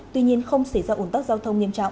tuy nhiên không xảy ra ủn tắc giao thông nghiêm trọng